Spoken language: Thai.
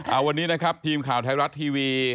เอาวันนี้นะครับทีมข่าวไทยรัฐทีวี